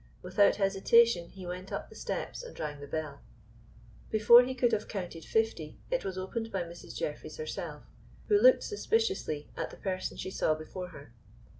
Without hesitation he went up the steps and rang the bell. Before he could have counted fifty it was opened by Mrs. Jeffreys herself, who looked suspiciously at the person she saw before her.